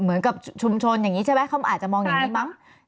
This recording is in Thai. เหมือนกับชุมชนอย่างนี้ใช่ไหมเขาอาจจะมองอย่างนี้มั้ง